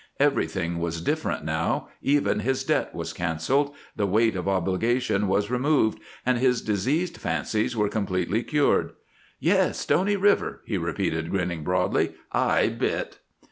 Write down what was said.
Everything was different now, even his debt was canceled, the weight of obligation was removed, and his diseased fancies were completely cured. "Yes! Stony River," he repeated, grinning broadly. "I bit!"